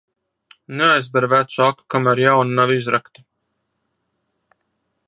Neaizber vecu aku, kamēr jauna nav izrakta.